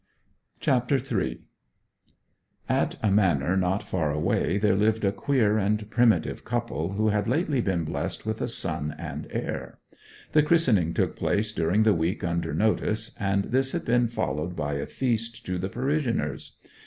CHAPTER III At a manor not far away there lived a queer and primitive couple who had lately been blessed with a son and heir. The christening took place during the week under notice, and this had been followed by a feast to the parishioners.